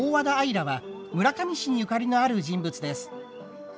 羅は村上市にゆかりのある人物です。